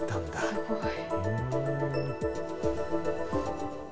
すごい。